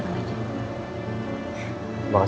bapak tenang aja